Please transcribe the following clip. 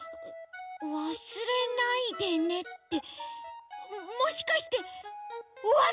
「わすれないでね」ってもしかしておわかれのことば！？